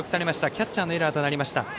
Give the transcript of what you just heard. キャッチャーのエラーとなりました。